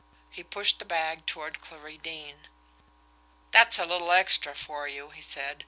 He pushed the bag toward Clarie Deane. "That's a little extra for you," he said.